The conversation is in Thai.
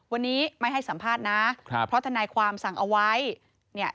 วันนี้ไม่ให้สัมภาษณ์นะ